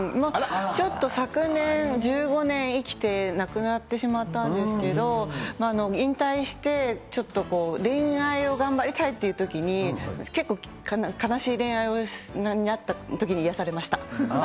ちょっと昨年１５年生きて亡くなってしまったんですけど、引退して、ちょっと恋愛を頑張りたいっていうときに、結構、悲しい恋愛になったときに癒やされました。